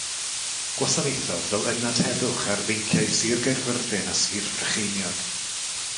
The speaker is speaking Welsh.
Gwasanaethodd fel ynad heddwch ar feinciau Sir Gaerfyrddin a Sir Frycheiniog.